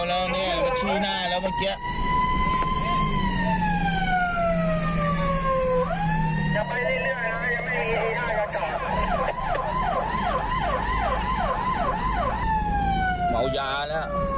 มุ่งออกมาเปียงหรือว่าขึ้นไปเจ็ดสวัสดี